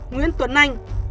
nguyễn tuấn anh